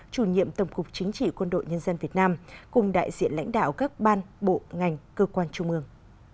chủ nhiệm tổng cục chính trị quân đội nhân dân việt nam cùng đại diện lãnh đạo các ban bộ ngành cơ quan trung ương